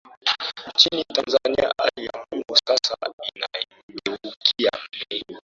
nchini tanzania hali ya mambo sasa inaigeukia me